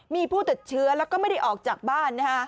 มีผู้ติดเชื้อแล้วก็ไม่ได้ออกจากบ้าน